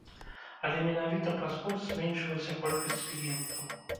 Але менавіта праз курс зменшылася колькасць кліентаў.